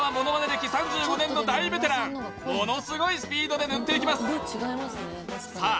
歴３５年の大ベテランものすごいスピードで塗っていきますさあ